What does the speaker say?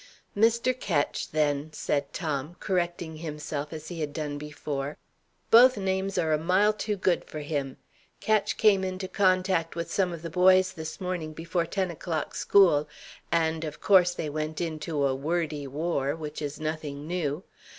"Mr. Ketch, then," said Tom, correcting himself as he had done before. "Both names are a mile too good for him. Ketch came into contact with some of the boys this morning before ten o'clock school, and, of course, they went into a wordy war which is nothing new.